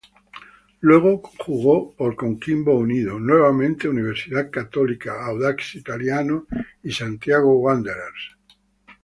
Luego jugó por Coquimbo Unido, nuevamente Universidad Católica, Audax Italiano y Santiago Wanderers.